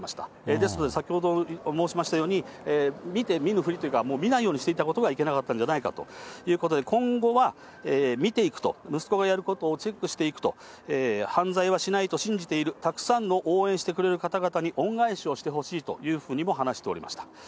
ですので先ほど申しましたように、見て見ぬふりというか、見ないようにしていたことがいけなかったんじゃないかということで、今後は、見ていくと、息子がやることをチェックしていくと、犯罪はしないと信じている、たくさんの応援してくれる方々に恩返しをしてほしいというふうにも話しておりました。